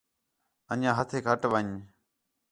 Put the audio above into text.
انڄیاں ہتھیک ہٹ ون٘ڄ